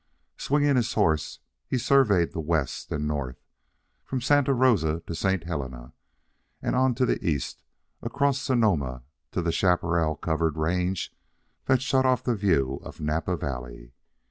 Swinging his horse, he surveyed the west and north, from Santa Rosa to St. Helena, and on to the east, across Sonoma to the chaparral covered range that shut off the view of Napa Valley.